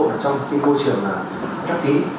nó hộp trong một kỳ vô trường khép ký